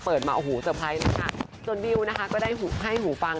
เปิดมาโอ้โหเตอร์ไพรส์เลยค่ะส่วนวิวนะคะก็ได้ให้หูฟัง